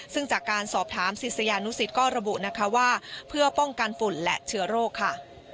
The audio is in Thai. ซึ่งจากการสอบถามศิษยานุสิตก็ระบุนะคะว่าเพื่อป้องกันฝุ่นและเชื้อโรคค่ะ